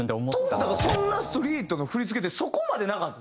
当時だからそんなストリートの振付ってそこまでなかったですよね。